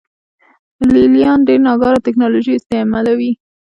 لې لیان ډېره ناکاره ټکنالوژي استعملوي